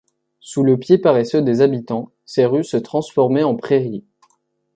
Sous le pied paresseux des habitants, ses rues se transformaient en prairies.